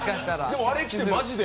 でも、あれ着てマジで。